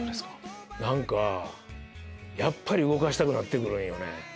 何かやっぱり動かしたくなって来るんよね。